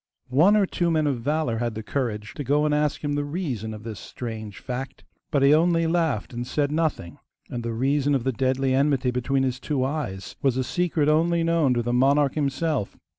One or two men of valour had the courage to go and ask him the reason of this strange fact, but he only laughed and said nothing; and the reason of the deadly enmity between his two eyes was a secret only known to the monarch himself.